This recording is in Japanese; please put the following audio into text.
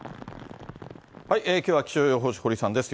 きょうは気象予報士、堀さんです。